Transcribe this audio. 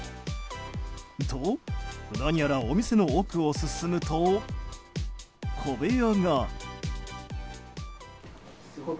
と、何やらお店の奥を進むと小部屋が。